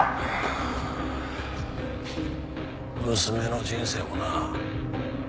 娘の人生もな。